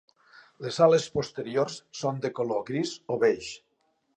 Les ales posteriors són de color gris o beix.